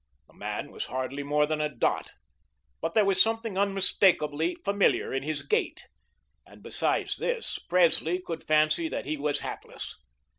The man was hardly more than a dot, but there was something unmistakably familiar in his gait; and besides this, Presley could fancy that he was hatless.